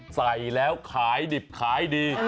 ใส่แล้วขายดิบขายดี